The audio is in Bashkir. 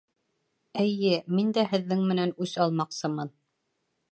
Эйе, мин дә һеҙҙең менән үс алмаҡсымын.